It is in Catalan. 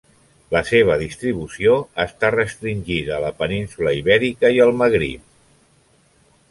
La seva distribució està restringida a la península Ibèrica i Magrib.